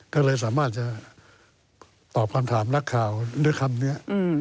ก็เลยสามารถจะตอบคำถามนักข่าวด้วยคำนี้